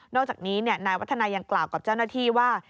อกจากนี้นายวัฒนายังกล่าวกับเจ้าหน้าที่ว่า